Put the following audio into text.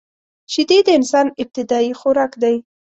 شیدې د انسان ابتدايي خوراک دی